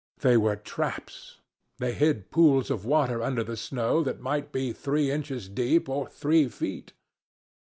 They were traps. They hid pools of water under the snow that might be three inches deep, or three feet.